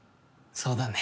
そうだね。